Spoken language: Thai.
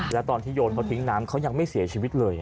แล้วตอนที่โยนเขาทิ้งน้ำเขายังไม่เสียชีวิตเลย